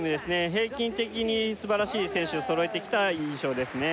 平均的に素晴らしい選手を揃えてきた印象ですね